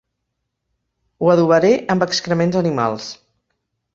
Ho adobaré amb excrements animals.